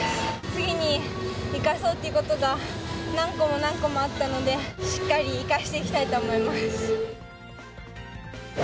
次に生かそうっていうことが、何個も何個もあったので、しっかり生かしていきたいと思います。